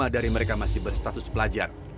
lima dari mereka masih berstatus pelajar